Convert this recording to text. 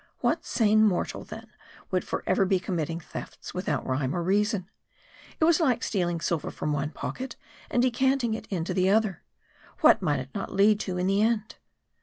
What sane mortal, then, would forever be committing thefts, without rhyme or reason. It was like stealing silver from one pocket and decanting it into the other. And what might it not lead to in the end